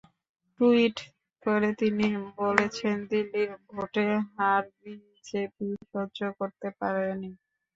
Tweet করে তিনি বলেছেন, দিল্লির ভোটে হার বিজেপি সহ্য করতে পারেনি।